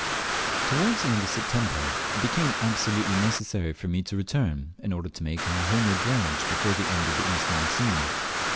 Towards the end of September it became absolutely necessary for me to return, in order to make our homeward voyage before the end of the east monsoon.